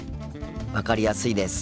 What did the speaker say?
分かりやすいです。